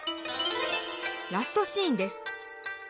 「ラストシーン」です。